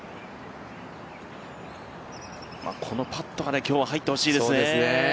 このパットが今日は入ってほしいですね。